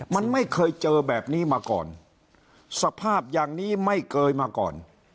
มันไม่เคยเจอแบบนี้มาก่อนสภาพอย่างนี้ไม่เคยมาก่อน